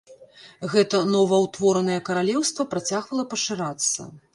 Гэта новаўтворанае каралеўства працягвала пашырацца.